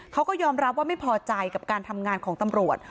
เขาก็ยอมรับว่าไม่พอใจกับการทำงานของตำรวจ